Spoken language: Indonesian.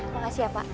makasih ya pak